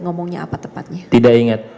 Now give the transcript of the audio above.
ngomongnya apa tepatnya tidak ingat